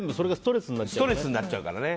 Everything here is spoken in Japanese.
ストレスになっちゃうからね。